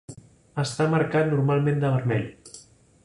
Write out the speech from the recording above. Està marcat normalment de vermell.